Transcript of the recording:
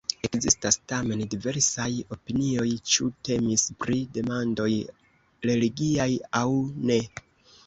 Ekzistas tamen diversaj opinioj, ĉu temis pri demandoj religiaj aŭ ne.